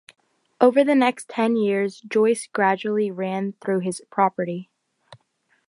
Over the next ten years, Joyce gradually ran through his property.